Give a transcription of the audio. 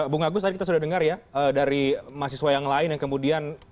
bung agus tadi kita sudah dengar ya dari mahasiswa yang lain yang kemudian